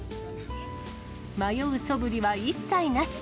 迷うそぶりは一切なし。